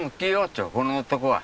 ちょこの男は。